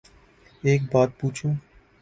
ایک بات پو چوں